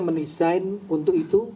menisain untuk itu